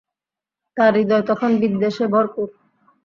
তার হৃদয় তখন বিদ্বেষে ভরপুর।